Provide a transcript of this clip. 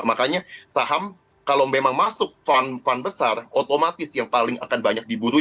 makanya saham kalau memang masuk fun fun besar otomatis yang paling akan banyak diburu